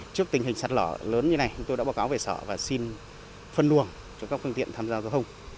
trước tình hình sạt lở lớn như này chúng tôi đã báo cáo về sở và xin phân luồng cho các phương tiện tham gia giao thông